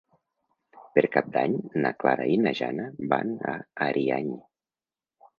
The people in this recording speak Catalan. Per Cap d'Any na Clara i na Jana van a Ariany.